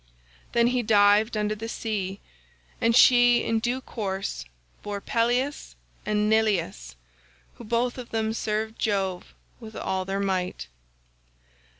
"Then he dived under the sea, and she in due course bore Pelias and Neleus, who both of them served Jove with all their might.